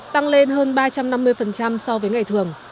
tăng lên hơn ba trăm năm mươi so với ngày thường